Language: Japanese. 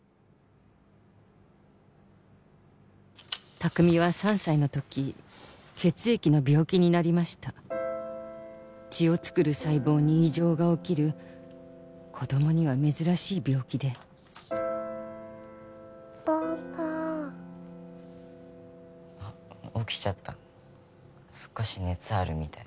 拓海は３歳の時血液の病気になりました血を作る細胞に異常が起きる子どもには珍しい病気でママ起きちゃった少し熱あるみたい